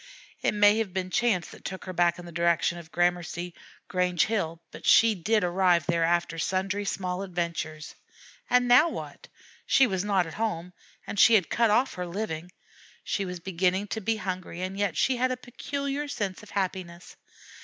It may have been chance that took her back in the direction of Gramercy Grange Hill, but she did arrive there after sundry small adventures. And now what? She was not at home, and she had cut off her living. She was beginning to be hungry, and yet she had a peculiar sense of happiness.